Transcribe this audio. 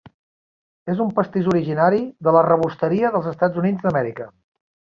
És un pastís originari de la rebosteria dels Estats Units d'Amèrica.